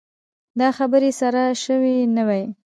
دا خبرې له سره شوې نه وای.